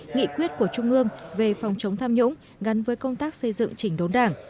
nghị quyết của trung ương về phòng chống tham nhũng gắn với công tác xây dựng chỉnh đốn đảng